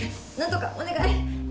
なんとかお願い！